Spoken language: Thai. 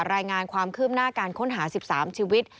รายงานความคืบหน้าการค้นหา๑๓ชีวิต